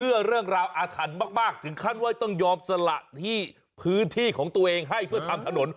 เพื่อเรื่องราวอาถรรพ์มากถึงขั้นว่าต้องยอมสละที่พื้นที่ของตัวเองให้เพื่อทำถนน